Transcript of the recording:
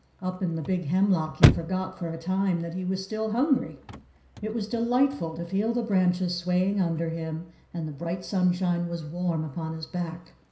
Up in the big hemlock he forgot, for a time, that he was still hungry. It was delightful to feel the branches swaying under him, and the bright sunshine was warm upon his back.